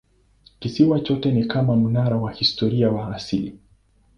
Kisiwa chote ni kama mnara wa kihistoria wa asili.